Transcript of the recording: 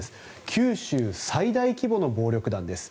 九州最大規模の暴力団です。